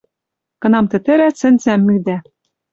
Кынам тӹтӹрӓ сӹнзӓм мӱдӓ